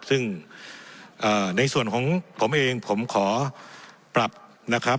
ซึ่งในส่วนของผมเองผมขอปรับนะครับ